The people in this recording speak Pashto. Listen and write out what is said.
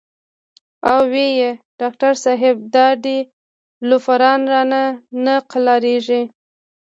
او وې ئې " ډاکټر صېب د اډې لوفران رانه نۀ قلاریږي